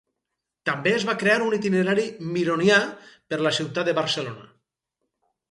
També es va crear un itinerari Mironià per la ciutat de Barcelona.